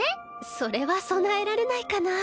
それは供えられないかな。